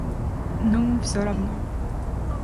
Ну, всё равно.